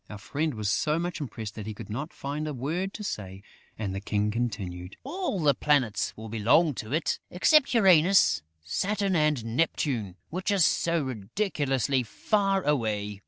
Our friend was so much impressed that he could not find a word to say; and the King continued: "All the Planets will belong to it, except Uranus, Saturn and Neptune, which are too ridiculously far away."